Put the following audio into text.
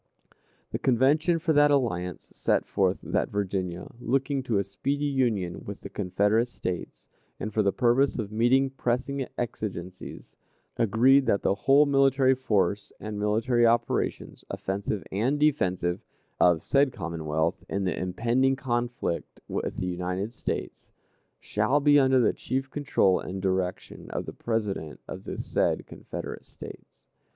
The Convention for that alliance set forth that Virginia, looking to a speedy union with the Confederate States, and for the purpose of meeting pressing exigencies, agreed that "the whole military force and military operations, offensive and defensive, of said Commonwealth, in the impending conflict with the United States, shall be under the chief control and direction of the President of the said Confederate States."